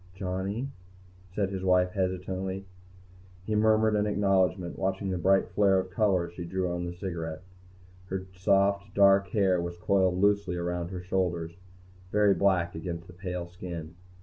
"Johnny?" said his wife hesitantly. He murmured an acknowledgement, watching the bright flare of color as she drew on the cigarette. Her soft, dark hair was coiled loosely around her shoulders, very black against the pale skin.